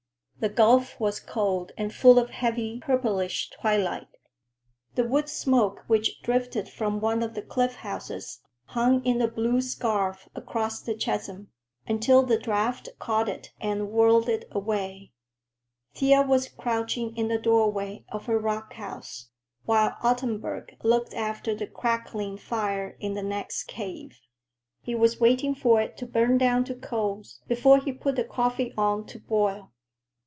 The gulf was cold and full of heavy, purplish twilight. The wood smoke which drifted from one of the cliff houses hung in a blue scarf across the chasm, until the draft caught it and whirled it away. Thea was crouching in the doorway of her rock house, while Ottenburg looked after the crackling fire in the next cave. He was waiting for it to burn down to coals before he put the coffee on to boil.